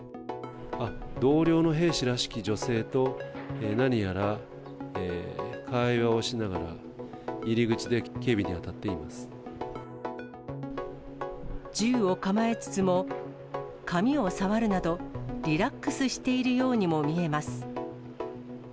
あっ、同僚の兵士らしき女性と、何やら会話をしながら、銃を構えつつも、髪を触るなど、リラックスしているようにも見えます。